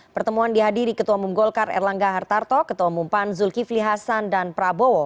pertemuan dihadiri ketua umum golkar erlangga hartarto ketua umum pan zulkifli hasan dan prabowo